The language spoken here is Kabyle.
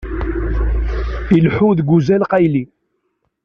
Ileḥḥu deg uzal qayli.